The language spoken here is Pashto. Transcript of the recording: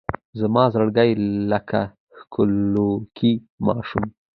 زما زړګی لکه ښکلوکی ماشوم